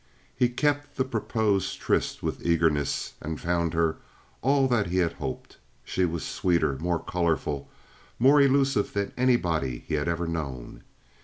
He kept the proposed tryst with eagerness and found her all that he had hoped. She was sweeter, more colorful, more elusive than anybody he had ever known.